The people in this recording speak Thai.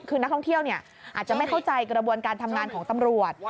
คือนักท่องเที่ยวอาจจะไม่เข้าใจกระบวนการทำงานของตำรวจ